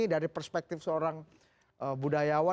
dari perspektif seorang budayawan